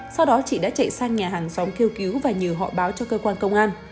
sau đó chị đã chạy sang nhà hàng xóm kêu cứu và nhờ họ báo cho cơ quan công an